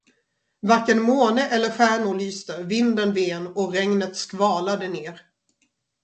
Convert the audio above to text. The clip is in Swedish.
Varken måne eller stjärnor lyste, vinden ven, och regnet skvalade ner.